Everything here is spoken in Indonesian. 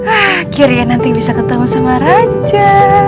akhirnya nanti bisa ketemu sama raja